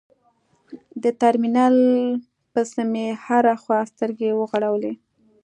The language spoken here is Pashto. د ترمینل پسې مې هره خوا سترګې وغړولې.